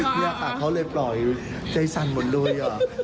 เจ้ามีตากเขาเลยปล่อยใจสั่นหมดเลย